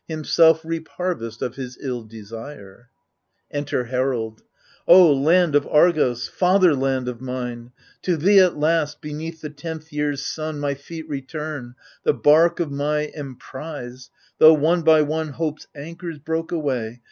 Himself reap harvest of his ill desire ! Enter Herald O land of Argos, fatherland of mine ! To thee at last, beneath the tenth year's sun, My feet return ; the bark of my emprise, Tho' one by one hope's anchors broke away.